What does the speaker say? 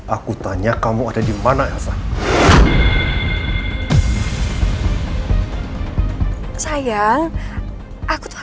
aku tanya kamu ada dimana elsa